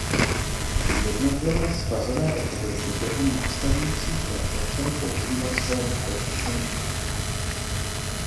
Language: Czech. Jednotlivé svazové republiky během následujících let začaly používat svoje národní hymny.